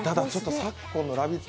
昨今の「ラヴィット！」